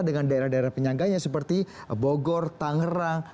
dengan daerah daerah penyangganya seperti bogor tangerang